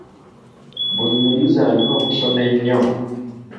Buli muyizi alina okusoma ennyo.